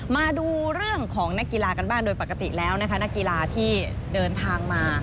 มาดูเรื่องของนักกีฬากันบ้างโดยปกติแล้วนะคะนักกีฬาที่เดินทางมา